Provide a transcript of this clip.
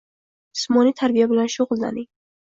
Jismoniy tarbiya bilan shug‘ullaning.